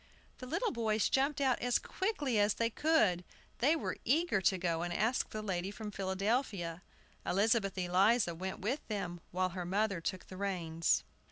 The little boys jumped out as quickly as they could; they were eager to go and ask the lady from Philadelphia. Elizabeth Eliza went with them, while her mother took the reins.